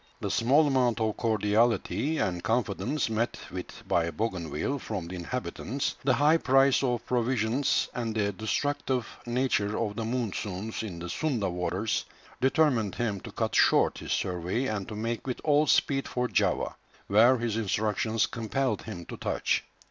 The small amount of cordiality and confidence met with by Bougainville from the inhabitants, the high price of provisions, and the destructive nature of the monsoons in the Sunda waters, determined him to cut short his survey and to make with all speed for Java, where his instructions compelled him to touch.